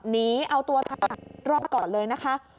หนีเอาตัวรอดก่อนเลยนะคะ